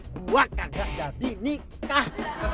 gua kagak jadi nikah